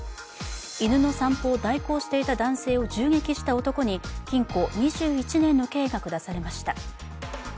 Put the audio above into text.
犬の散歩を代行していた男性を銃撃した男に禁錮２１年の刑が下されました。